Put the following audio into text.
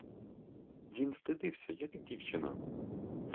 Він стидався, як дівчина.